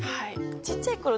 ちっちゃいころ